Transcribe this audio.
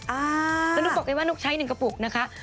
แล้วนุ๊กบอกไงว่านุ๊กใช้หนึ่งกระปุกนะคะ